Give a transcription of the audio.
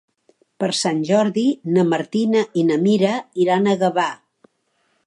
Per Sant Jordi na Martina i na Mira iran a Gavà.